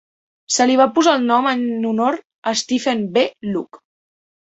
Se li va posar el nom en honor a Stephen B. Luce.